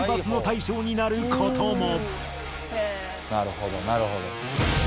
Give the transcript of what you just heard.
なるほどなるほど。